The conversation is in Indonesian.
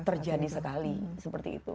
terjadi sekali seperti itu